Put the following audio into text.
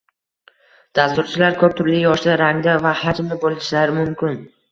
Dasturchilar ko’p turli yoshda, rangda va hajmda bo’lishlari mumkin